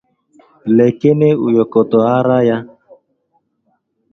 Lekene ụyọkọtọ ara ya